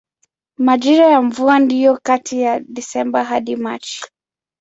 Majira ya mvua ndiyo kati ya Desemba hadi Machi.